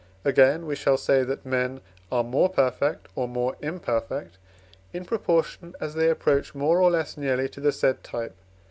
Again, we shall that men are more perfect, or more imperfect, in proportion as they approach more or less nearly to the said type.